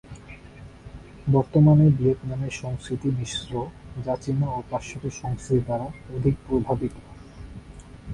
বর্তমানে ভিয়েতনামের সংস্কৃতি মিশ্র, যে চীনা ও পাশ্চাত্য সংস্কৃতি দ্বারা অধিক প্রভাবিত।